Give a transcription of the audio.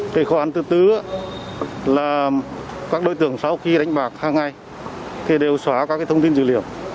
khó khăn thứ tư là các đối tượng sau khi đánh bạc hàng ngày đều xóa các thông tin dữ liệu